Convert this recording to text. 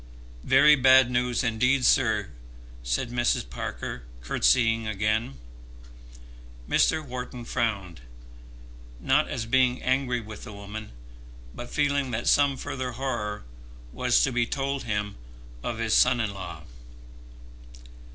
"Very bad news indeed, sir," said Mrs. Parker, curtseying again. Mr. Wharton frowned, not as being angry with the woman, but feeling that some further horror was to be told him of his son in law.